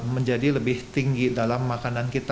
menjadi lebih tinggi dalam makanan kita